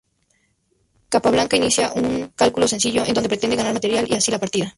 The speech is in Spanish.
Capablanca inicia un cálculo sencillo en donde pretende ganar material, y así, la partida.